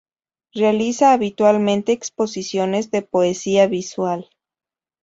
Realiza habitualmente exposiciones de Poesía Visual.